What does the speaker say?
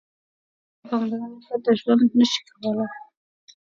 د نورو له پاملرنې پرته ژوند نشي کولای.